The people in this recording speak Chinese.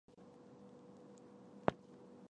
这两天都没碰到行李